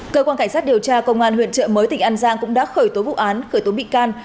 cơ quan cảnh sát điều tra công an huyện trợ mới tỉnh an giang cũng đã khởi tố vụ án khởi tố bị can